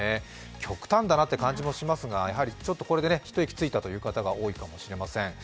極端だなという感じもしますがこれで一息ついたという方もいるかもしれません。